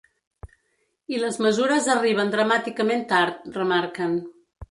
I les mesures arriben dramàticament tard, remarquen.